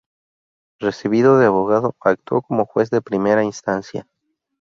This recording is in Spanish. Recibido de abogado, actuó como Juez de primera instancia.